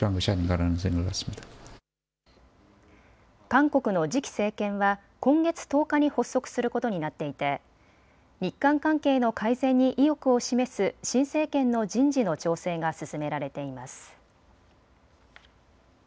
韓国の次期政権は今月１０日に発足することになっていて日韓関係の改善に意欲を示す新政権の人事の調整が進められています。